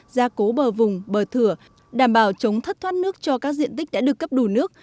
gia cố bờ vùng bờ thửa đảm bảo chống thất thoát nước cho các diện tích đã được cấp đủ nước